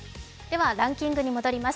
ランキングに戻ります。